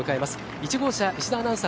１号車・石田アナウンサー